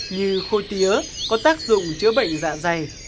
như khôi tía có tác dụng chữa bệnh dạ dày